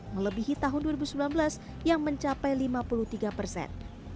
melebihi tahun dua ribu sembilan belas yang mencapai lima puluh tiga persen